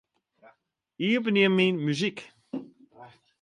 Iepenje Myn muzyk.